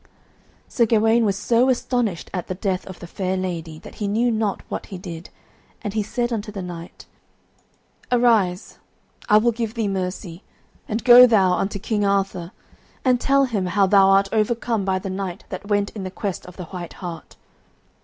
Sir Gawaine was so astonished at the death of the fair lady that he knew not what he did, and he said unto the knight, "Arise, I will give thee mercy; and go thou unto King Arthur, and tell him how thou art overcome by the knight that went in the quest of the white hart."